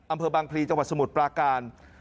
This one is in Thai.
อำเภอบางพลีจังหวัดสมุทรปราการ